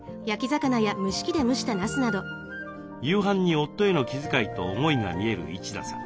夕飯に夫への気遣いと思いが見える一田さん。